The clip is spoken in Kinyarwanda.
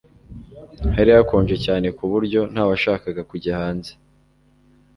hari hakonje cyane kuburyo ntawashakaga kujya hanze